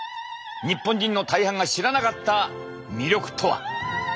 日本人の大半が知らなかった魅力とは。